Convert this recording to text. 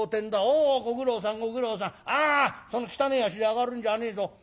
その汚え足で上がるんじゃねえぞ。